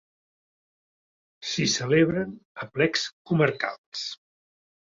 S'hi celebren aplecs comarcals.